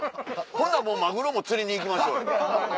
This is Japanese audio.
ほんならマグロも釣りに行きましょうよ。